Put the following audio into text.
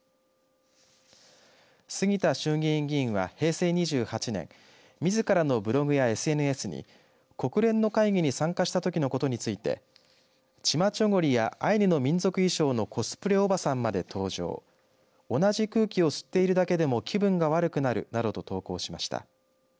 杉田衆議院議員は平成２８年みずからのブログやＳＮＳに国連の会議に参加したときのことについてチマチョゴリやアイヌの民族衣装のコスプレおばさんまで登場同じ空気を吸っているだけでも気分が悪くなるなどと投稿しました。